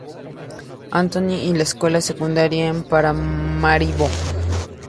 Anthony y la escuela Secundaria en Paramaribo.